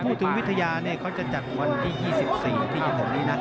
พูดถึงวิทยาเนี่ยเขาจะจัดวันที่๒๔ที่อยู่ตรงนี้นะ